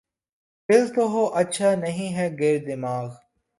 دل تو ہو‘ اچھا‘ نہیں ہے گر دماغ